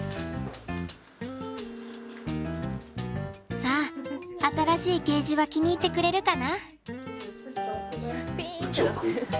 さあ新しいケージは気に入ってくれるかな？